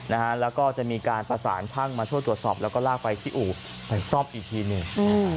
นะฮะแล้วก็จะมีการประสานช่างมาช่วยตรวจสอบแล้วก็ลากไปที่อู่ไปซ่อมอีกทีหนึ่งอืม